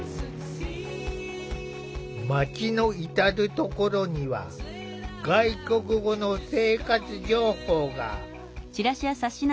町の至る所には外国語の生活情報が。